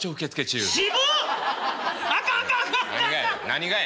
何がや？